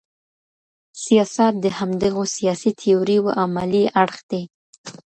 سیاست د همدغو سیاسي تیوریو عملي اړخ دی.